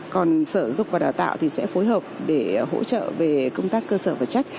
còn sở giáo dục và đào tạo thì sẽ phối hợp để hỗ trợ về công tác cơ sở vật chất